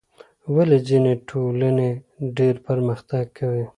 ولې ځینې ټولنې ډېر پرمختګ کوي؟